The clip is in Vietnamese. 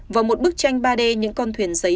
vào một bức tranh ba d những con thuyền giấy